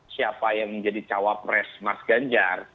siapa yang menjadi cawapres mas ganjar